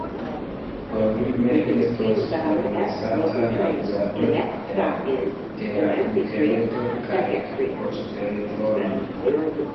Por li ne estos permesata la uzado de la interreto kaj la poŝtelefono.